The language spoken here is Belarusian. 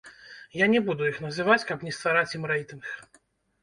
Я не буду іх называць, каб не ствараць ім рэйтынг.